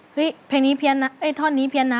เฮ้ยเพลงนี้เพียนนะทอนนี้เพียนนะ